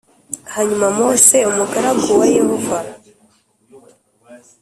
Hanyuma Mose umugaragu wa Yehova